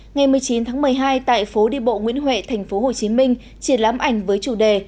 ngày một mươi chín tháng một mươi hai tại phố đi bộ nguyễn huệ tp hcm triển lãm ảnh với chủ đề